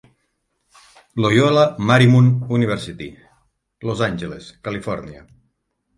Loyola Marymount University, Los Angeles, Califòrnia.